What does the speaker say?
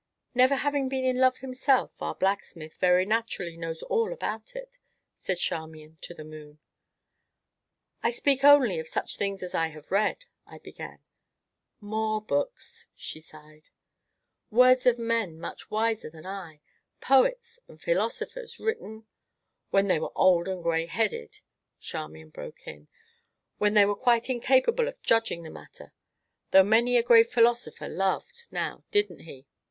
"Never having been in love himself, our blacksmith, very naturally, knows all about it!" said Charmian to the moon. "I speak only of such things as I have read " I began. "More books!" she sighed. " words of men, much wiser than I poets and philosophers, written " "When they were old and gray headed," Charmian broke in; "when they were quite incapable of judging the matter though many a grave philosopher loved; now didn't he?"